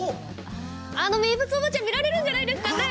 あの名物おばちゃん見られるんじゃないですかね。